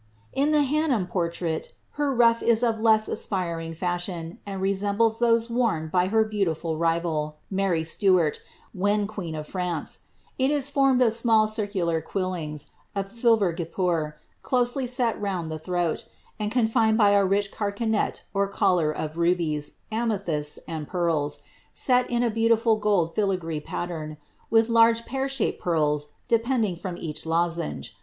In the Henham portrait, her rufT is of a less aspiring fashion, and resembles those worn by her beautiful rival, Mary Stuaii, when qutta of France ; it is formed of small circular quillings, of silver guipuie, closely set round the throat, and confined by a rich carcanet or collar of rubies, amethysts, and pearls, set in a beautiful gold lilagree pattern, with large pear shaped pearls depending from each lozenge.